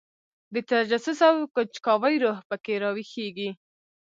د تجسس او کنجکاوۍ روح په کې راویښېږي.